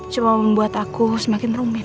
cuma membuat aku semakin rumit